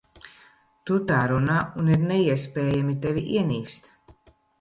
Tu tā runā, un ir neiespējami tevi ienīst.